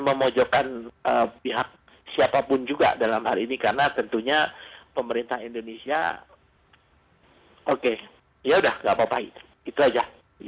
memojokkan pihak siapapun juga dalam hal ini karena tentunya pemerintah indonesia oke ya udah gak apa apa itu itu aja